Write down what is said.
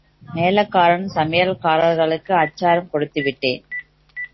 மேளகாரன், சமையற்காரர்களுக்கு அச்சாரம் கொடுத்துவிட்டேன்.